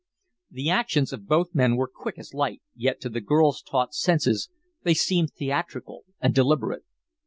The actions of both men were quick as light, yet to the girl's taut senses they seemed theatrical and deliberate.